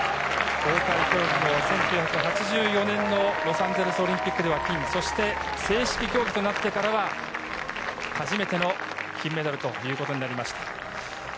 公開競技の１９８４年のロサンゼルスオリンピックでは金、そして正式競技となってからは、初めての金メダルということになりました。